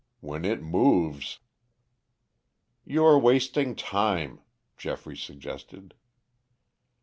When it moves " "You are wasting time," Geoffrey suggested.